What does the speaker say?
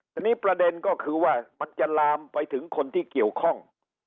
ทีนี้ประเด็นก็คือว่ามันจะลามไปถึงคนที่เกี่ยวข้อง